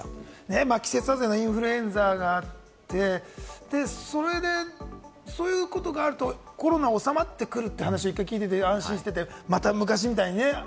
季節外れのインフルエンザがあって、そういうことがあると、コロナ収まってくるという話を聞いて安心してて、昔みたいにね。